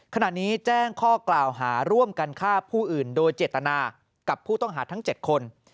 ขณะนี้แจ้งข้อกล่าวหาร่วมกันฆ่าผู้อื่นโดยเจตนากับผู้ต้องหาทั้ง๗คน